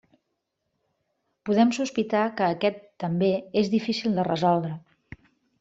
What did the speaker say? Podem sospitar que aquest, també, és difícil de resoldre.